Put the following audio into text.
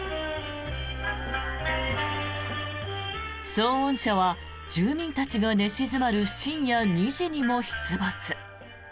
騒音車は住民たちが寝静まる深夜２時にも出没。